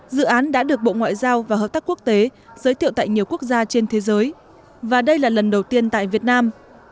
dự án đã được bộ ngoại giao và hợp tác quốc tế giới thiệu tại nhiều quốc gia trên thế giới và đây là lần đầu tiên tại việt nam